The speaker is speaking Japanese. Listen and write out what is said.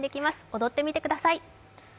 踊ってみてください。